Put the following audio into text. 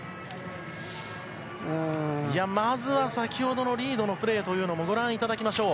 まずは先ほどのリードのプレーをご覧いただきましょう。